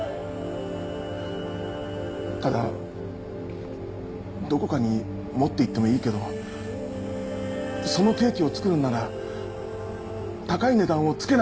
ただどこかに持っていってもいいけどそのケーキを作るんなら高い値段をつけないでほしいんだ。